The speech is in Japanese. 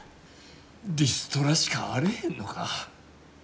リストラしかあれへんのか。